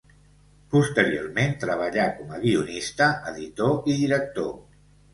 Posteriorment treballà com a guionista, editor i director.